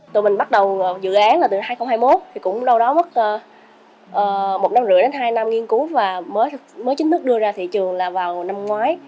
tụi mình bắt đầu dự án là từ hai nghìn hai mươi một thì cũng đâu đó mất một năm rưỡi đến hai năm nghiên cứu và mới chính thức đưa ra thị trường là vào năm ngoái